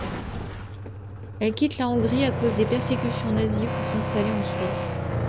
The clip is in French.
Elle quitte la Hongrie à cause des persécutions nazies pour s’installer en Suisse.